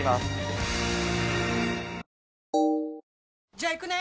じゃあ行くね！